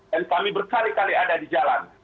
dan kami berkali kali ada di jalan